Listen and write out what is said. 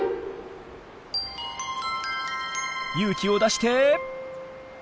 勇気を出してえい！